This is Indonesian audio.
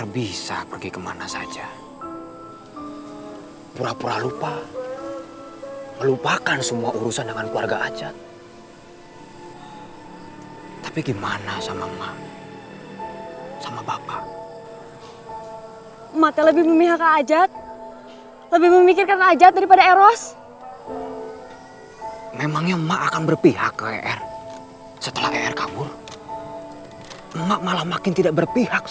berpihak sama er